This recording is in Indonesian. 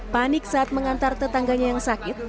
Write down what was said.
panik saat mengantar tetangganya yang sakit